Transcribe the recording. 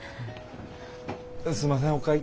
すんませんお会計。